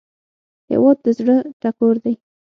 هیواد د زړه ټکور دی